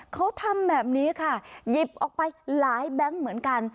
เขาทำแบบนี้ค่ะหยิบออกไปหลายแบงค์เหมือนกัน